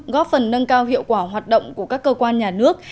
góp phần nâng cao hiệu quả hoạt động của các cơ quan nhà nước